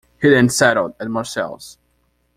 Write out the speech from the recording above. He then settled at Marseilles.